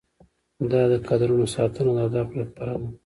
دا د کادرونو ساتنه د اهدافو لپاره ده.